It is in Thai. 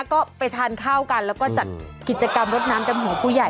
ก็ไปทานข้าวกันแล้วก็จัดกิจกรรมรถน้ำดำหัวผู้ใหญ่